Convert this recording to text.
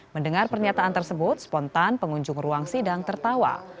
mendengar pernyataan tersebut spontan pengunjung ruang sidang tertawa